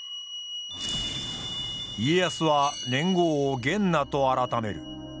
家康は年号を元和と改める。